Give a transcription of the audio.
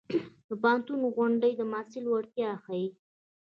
د پوهنتون غونډې د محصل وړتیا ښيي.